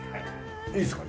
いいですか？